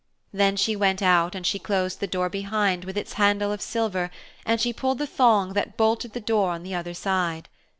Then she went out and she closed the door behind with its handle of silver and she pulled the thong that bolted the door on the other side.